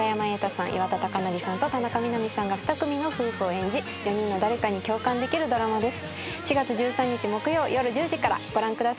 岩田剛典さんと田中みな実さんが２組の夫婦を演じ４人の誰かに共感できるドラマです。